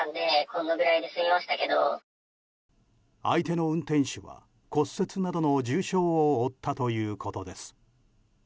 相手の運転手は、骨折などの重傷を負ったということです。